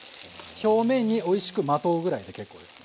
表面においしくまとうぐらいで結構です。